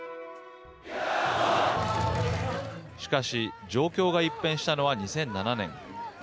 しかし状況が一変したのは２００７年。